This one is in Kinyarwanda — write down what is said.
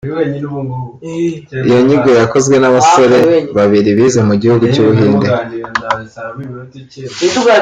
Iyo nyigo yakozwe n’abasore babiri bize mu gihugu cy’u Buhinde